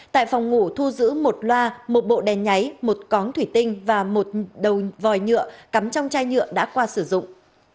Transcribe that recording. tại phòng ngủ thu giữ một loa một bộ đèn nháy một cón thủy tinh và một đầu vòi nhựa cắm trong chai nhựa đã qua sử dụng